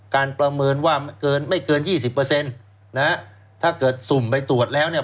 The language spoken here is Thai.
การประเมินว่าไม่เกิน๒๐นะถ้าเกิดซุ่มไปตรวจแล้วเนี่ย